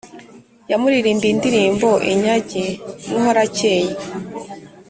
Yamuririmbiye indirimbo Inyage Muhorakeye,